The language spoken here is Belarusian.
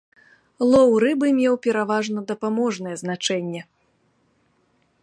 Лоў рыбы меў пераважна дапаможнае значэнне.